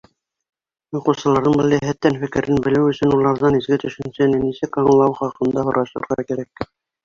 Уҡыусыларҙың был йәһәттән фекерен белеү өсөн уларҙан изге төшөнсәне нисек аңлауы хаҡында һорашырға кәрәк.